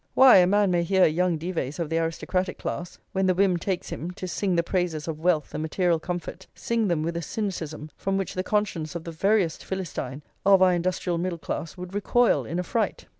Why, a man may hear a young Dives of the aristocratic class, when the whim takes him to sing the praises of wealth and material comfort, sing them with a cynicism from which the conscience of the veriest Philistine of our industrial middle class would recoil in affright.